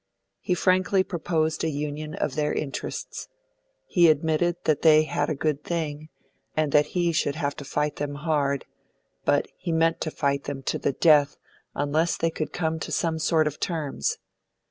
He frankly proposed a union of their interests. He admitted that they had a good thing, and that he should have to fight them hard; but he meant to fight them to the death unless they could come to some sort of terms.